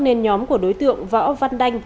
nên nhóm của đối tượng võ văn đanh